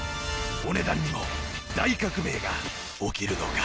お値段にも大革命が起きるのか？